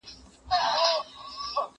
وران کې هغه کلي، چي پر گرځي دا نتلي.